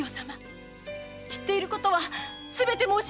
知っていることはすべて申し上げました！